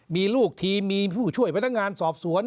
มีลูกทีมมีผู้ช่วยพนักงานสอบสวน